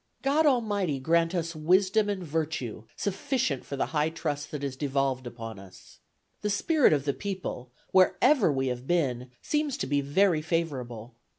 God Almighty grant us wisdom and virtue sufficient for the high trust that is devolved upon us. The spirit of the people, wherever we have been, seems to be very favorable.